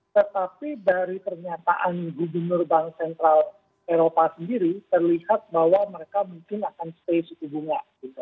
tetapi dari pernyataan gubernur bank sentral eropa sendiri terlihat bahwa mereka mungkin akan stay suku bunga